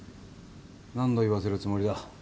何度言わせるつもりだ？